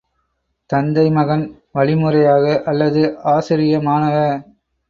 தந்தைமகன் வழிமுறையாக அல்லது ஆசிரிய மாணவ